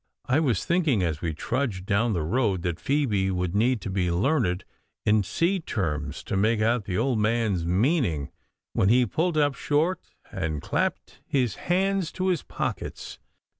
I was thinking as we trudged down the road that Phoebe would need to be learned in sea terms to make out the old man's meaning, when he pulled up short and clapped his hands to his pockets.